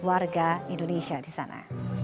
warga indonesia di sana